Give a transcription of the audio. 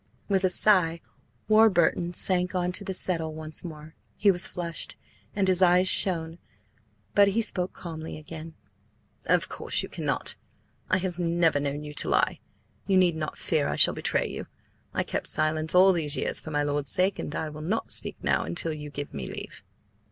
With a sigh, Warburton sank on to the settle once more. He was flushed, and his eyes shone, but he spoke calmly again. "Of course you cannot. I have never known you lie. You need not fear I shall betray you. I kept silence all these years for my lord's sake, and I will not speak now until you give me leave."